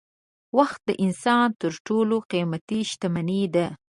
وخت د انسان تر ټولو قېمتي شتمني ده.